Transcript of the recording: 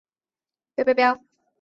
石沟寺的历史年代为明。